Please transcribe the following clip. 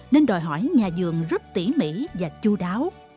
nên đòi hỏi nhà dường rất tỉ mỉ và chú đáo